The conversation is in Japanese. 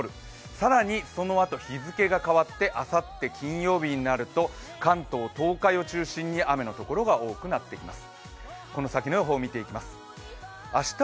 更に、そのあと日付が変わってあさって金曜日になると、関東、東海を中心に雨のところが多くなってきます。